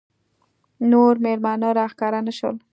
نور مېلمانه راښکاره نه شول.